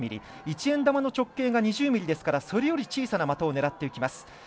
１円玉の直径が２０ｍｍですからそれより小さな的を狙っていきます。